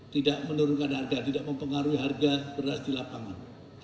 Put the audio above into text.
tidak menurunkan harga tidak mempengaruhi harga beras di lapangan